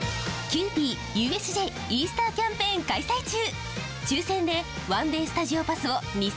キユーピーＵＳＪイースターキャンペーン開催中！